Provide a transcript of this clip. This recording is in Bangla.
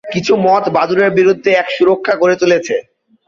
কিছু মথ বাদুড়ের বিরুদ্ধে এক সুরক্ষা গড়ে তুলেছে।